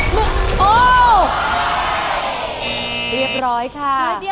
เรียบร้อยค่ะ